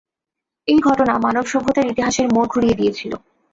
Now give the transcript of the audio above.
এই ঘটনা মানবসভ্যতার ইতিহাসের মোড় ঘুরিয়ে দিয়েছিল।